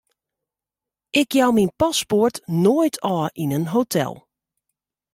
Ik jou myn paspoart noait ôf yn in hotel.